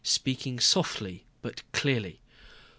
Speaking softly, but clearly.